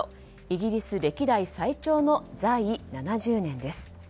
イギリス歴代最長の在位７０年です。